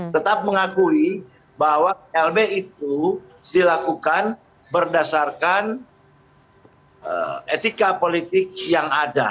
tetap mengakui bahwa klb itu dilakukan berdasarkan etika politik yang ada